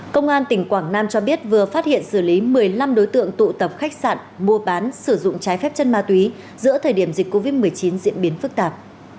công an tỉnh quảng nam cho biết vừa phát hiện xử lý một mươi năm đối tượng tụ tập khách sạn mua bán sử dụng trái phép chân ma túy giữa thời điểm dịch covid một mươi chín diễn biến phức tạp